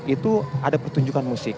itu ada pertunjukan musik